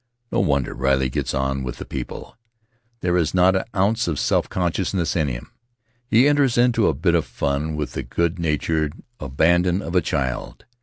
No wonder Riley gets on with the people; there is not an ounce of self consciousness in him — he enters into a bit of fun with the good natured abandon of a child.